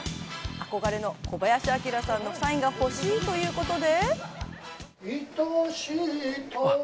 憧れの小林旭さんのサインが欲しいということで。